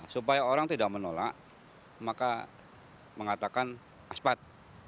supaya orang tidak menolak maka mengatakan aspat